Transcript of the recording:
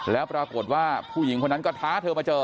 แล้วปรากฏว่าผู้หญิงคนนั้นก็ท้าเธอมาเจอ